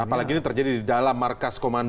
apalagi ini terjadi di dalam markas komando